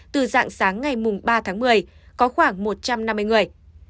từ dạng sáng ngày ba tháng một mươi có khoảng một trăm năm mươi người